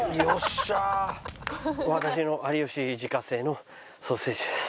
私の有吉自家製のソーセージです。